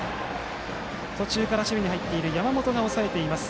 途中から守備に入っている山本が押さえています。